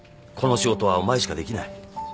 この仕事はお前しかできない